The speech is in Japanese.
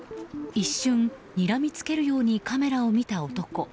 一瞬、にらみつけるようにカメラを見た男。